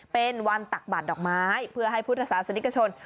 เป็นวันตักบาดดอกไม้เพื่อให้พุทธศาสนิกชน